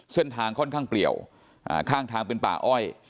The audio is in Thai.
เส้นทางค่อนข้างเปลี่ยวข้างทางเป็นป่าอ้อย